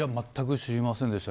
知りませんでした。